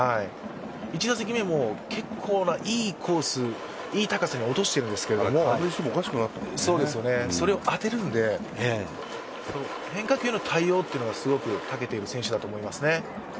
１打席目も結構ないいコース、いい高さに落としてるんですけどそれを当てるんで、変化球の対応がすごくたけている選手だと思いますね。